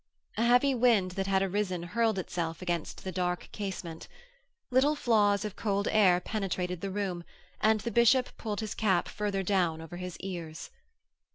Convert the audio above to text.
A heavy wind that had arisen hurled itself against the dark casement. Little flaws of cold air penetrated the room, and the bishop pulled his cap further down over his ears.